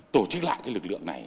tổ chức lại cái lực lượng này